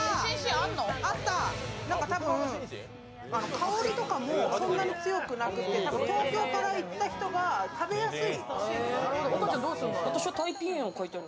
香りとかもそんなに強くなくて東京から行った人が食べやすい。